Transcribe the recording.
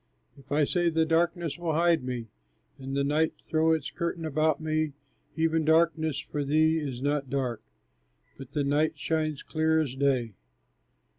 If I say, "The darkness will hide me, And the night throw its curtain about me," Even darkness for thee is not dark, But the night shines clear as the day.